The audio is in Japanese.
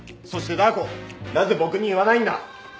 そしてダー子なぜ僕に言わないんだ？